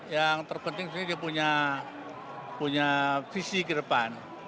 yang terpenting sendiri dia punya visi ke depan